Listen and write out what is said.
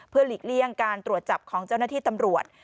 หลีกเลี่ยงการตรวจจับของเจ้าหน้าที่ตำรวจ